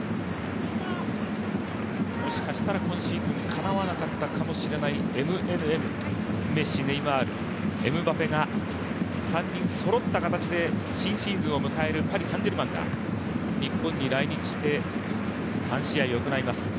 もしかしたら今シーズンかなわなかったかもしれないＭＮＭ、メッシ、ネイマール、エムバペが３人そろった形で新シーズンを迎えるパリ・サン＝ジェルマンが日本に来日して３試合を行います。